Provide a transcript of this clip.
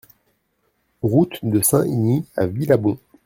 Route de Saint-Igny à Villabon